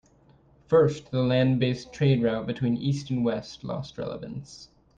First, the land based trade route between east and west lost relevance.